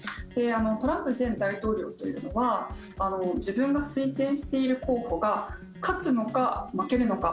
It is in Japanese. トランプ前大統領というのは自分が推薦している候補が勝つのか、負けるのか。